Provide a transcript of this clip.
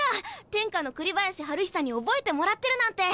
天下の栗林晴久に覚えてもらってるなんて。